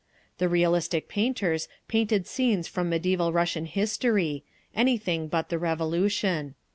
The realistic painters painted scenes from mediæval Russian history—anything but the Revolution.